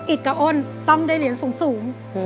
กับอ้นต้องได้เหรียญสูง